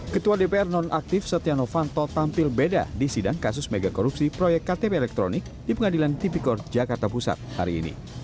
ketua dpr non aktif setia novanto tampil beda di sidang kasus megakorupsi proyek ktp elektronik di pengadilan tipikor jakarta pusat hari ini